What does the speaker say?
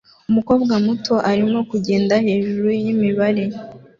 Umukobwa muto arimo kugenda hejuru yimibare